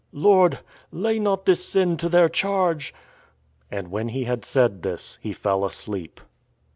" Lord, lay not this sin to their charge." And when he had said this he fell asleep.